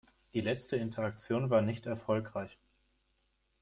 Die letzte Interaktion war nicht erfolgreich.